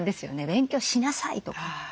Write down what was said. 「勉強しなさい」とか。